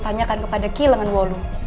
tanyakan kepada kilangan walu